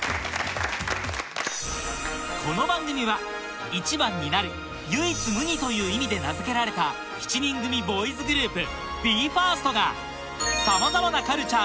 この番組は「１番になる」「唯一無二」という意味で名付けられた７人組ボーイズグループ